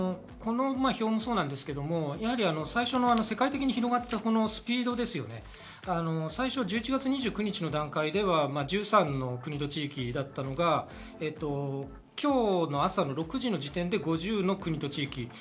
最初の世界的に広がったスピード、１１月２９日の段階では１３の国と地域だったのが、今日の朝の６時の時点で５０の国と地域。